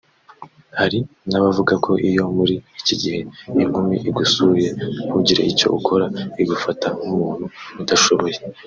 Hari n’abavuga ko iyo muri iki gihe inkumi igusuye ntugire icyo ukora igufata nk’umuntu udashoboye